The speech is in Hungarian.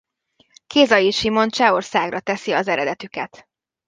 Kézai Simon Csehországa teszi az eredetüket.